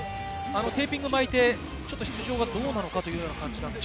テーピングを巻いて出場がどうなのかという感じです。